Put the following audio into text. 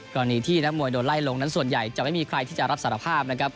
กรณีที่นักมวยโดนไล่ลงนั้นส่วนใหญ่จะไม่มีใครที่จะรับสารภาพนะครับ